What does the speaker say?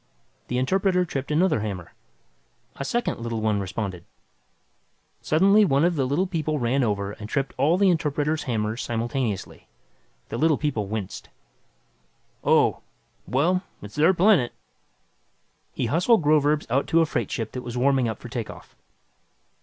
The interpreter tripped another hammer. A second little one responded. Suddenly one of the Little People ran over and tripped all the interpreter's hammers simultaneously. The Little People winced. "Oh," said the interpreter. "Well, it's their planet." He hustled Groverzb out to a freight ship that was warming up for takeoff.